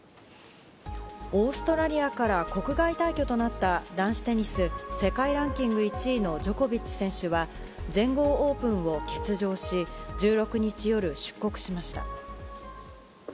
オーストラリアから国外退去となった男子テニス世界ランキング１位のジョコビッチ選手は全豪オープンを欠場し１６日夜、出国しました。